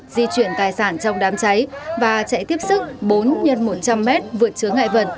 di chuyển tài sản trong đám cháy và chạy tiếp sức bốn x một trăm linh m vượt chứa ngại vật